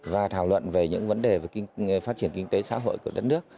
và thảo luận về những vấn đề về phát triển kinh tế xã hội của đất nước